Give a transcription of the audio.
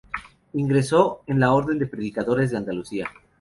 Ingresó en la Orden de Predicadores de Andalucía.